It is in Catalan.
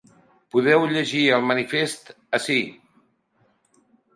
Podeu llegir el manifest ací.